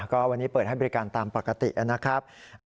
ก็วันนี้เปิดให้บริการตามปกตินะครับ